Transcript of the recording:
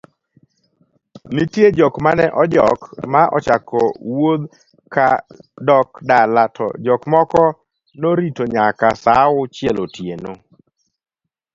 nitie jok mane ojok ma ochako wuodh ka dok dala to jok moko noritonyakasaaauchielotieno